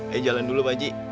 ayo jalan dulu pak haji